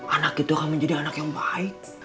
anak itu akan menjadi anak yang baik